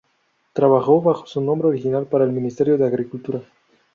Trabajó bajo su nombre original para el Ministerio de Agricultura.